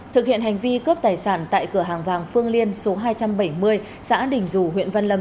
thực hiện hành vi cướp tài sản tại cửa hàng vàng phương liên số hai trăm bảy mươi xã đình dù huyện văn lâm